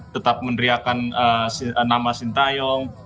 tetap meneriakan nama sintayong